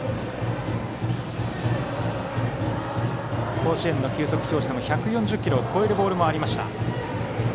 甲子園の球速表示でも１４０キロを超えるボールもありました。